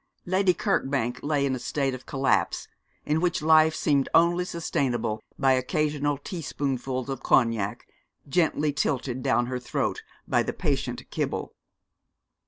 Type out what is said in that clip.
Lady Kirkbank lay in a state of collapse, in which life seemed only sustainable by occasional teaspoonfuls of cognac gently tilted down her throat by the patient Kibble.